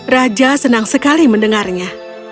raja senang sekali mendengarnya